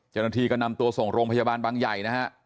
เจ้าหน้าที่ก็นำตัวส่งโรงพยาบาลบางใหญ่นะฮะ